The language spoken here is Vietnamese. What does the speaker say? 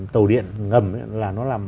tàu điện ngầm là nó làm